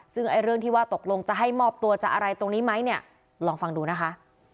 ซึ่งเรื่องที่ว่าตกลงจะให้มอบตัวจะอะไรตรงนี้ไหมเนี่ยลองฟังดูนะคะ